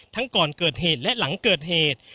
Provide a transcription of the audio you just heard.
ก่อนเกิดเหตุและหลังเกิดเหตุ